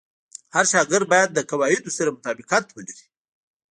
هر شاګرد باید د قواعدو سره مطابقت ولري.